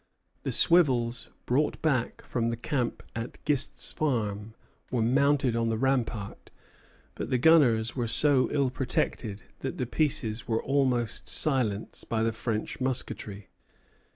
The swivels brought back from the camp at Gist's farm were mounted on the rampart; but the gunners were so ill protected that the pieces were almost silenced by the French musketry.